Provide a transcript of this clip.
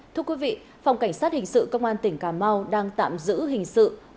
thưa quý vị phòng cảnh sát hình sự công an tỉnh cà mau đang tạm giữ hình sự